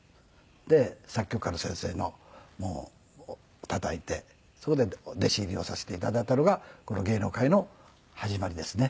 で作曲家の先生の門をたたいてそこで弟子入りをさせて頂いたのがこの芸能界の始まりですね。